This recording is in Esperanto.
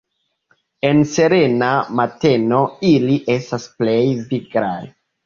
En serena mateno ili estas plej viglaj.